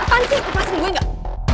apaan sih lepasin gue gak